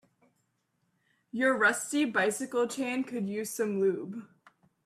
Your rusty bicycle chain could use some lube.